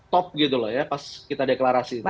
top gitu loh ya pas kita deklarasi